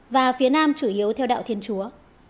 và phía nam chủ yếu theo đạo thiên chúa